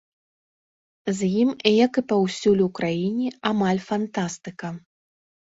З ім, як і паўсюль у краіне, амаль фантастыка.